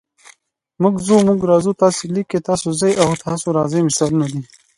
موږ ځو، موږ راځو، تاسې لیکئ، تاسو ځئ او تاسو راځئ مثالونه دي.